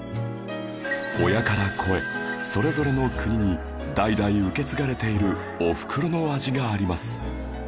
親から子へそれぞれの国に代々受け継がれているおふくろの味があります